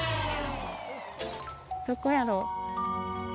どこやろう？